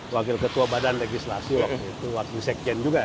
wakil ketua badan legislasi waktu itu waktu di sekjen juga kan